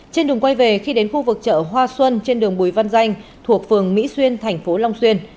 trên đường quay về khi đến khu vực chợ hoa xuân trên đường bùi văn danh thuộc phường mỹ xuyên thành phố long xuyên